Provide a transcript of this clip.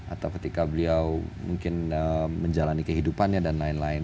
atau ketika beliau mungkin menjalani kehidupannya dan lain lain